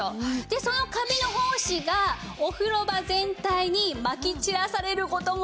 でそのカビの胞子がお風呂場全体にまき散らされる事もあって。